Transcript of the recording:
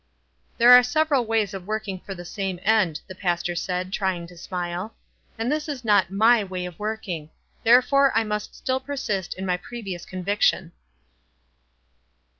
"There are several ways of working for the same end," the pastor said, trying to smile. w And this is not my way of working ; there fore I must still persist in my previous convic tion."